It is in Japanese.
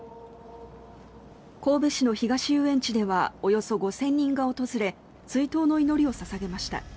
神戸市の東遊園地ではおよそ５０００人が訪れ追悼の祈りを捧げました。